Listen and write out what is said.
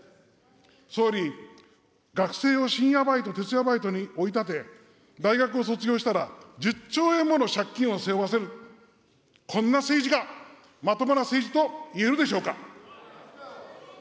総理、学生を深夜バイト、徹夜バイトに追い立て、大学を卒業したら１０兆円もの借金を背負わせる、こんな政治が、まともな政治といえるでしょうか。